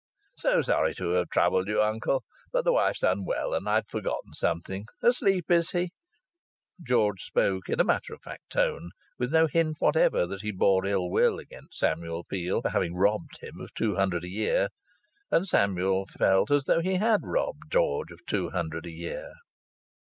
"So sorry to have troubled you, uncle. But the wife's unwell, and I'd forgotten something. Asleep, is he?" George spoke in a matter of fact tone, with no hint whatever that he bore ill will against Samuel Peel for having robbed him of two hundred a year. And Samuel felt as though he had robbed George of two hundred a year.